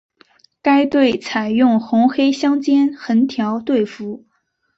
该队采用红黑相间横条队服。